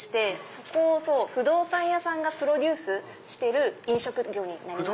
そこを不動産屋さんがプロデュースしてる飲食業になります。